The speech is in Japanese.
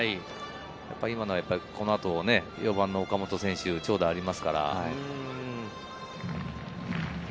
今のはこの後、４番の岡本選手、長打ありますから。